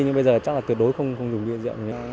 nhưng bây giờ chắc là tuyệt đối không dùng hiện diện